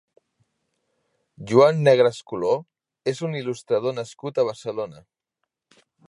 Joan Negrescolor és un il·lustrador nascut a Barcelona.